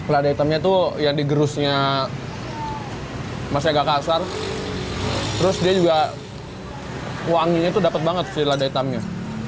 lada hitamnya tuh yang digerusnya masih agak kasar terus dia juga wanginya itu dapat banget sih lada hitamnya